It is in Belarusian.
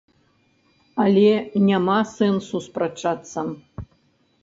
Але няма сэнсу спрачацца.